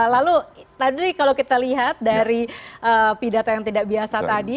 lalu tadi kalau kita lihat dari pidato yang tidak biasa tadi